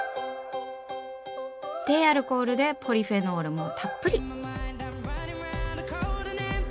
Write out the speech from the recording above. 低アルコールでポリフェノールもたっぷり。